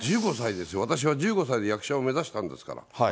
１５歳ですよ、私は１５歳で役者を目指したんですから。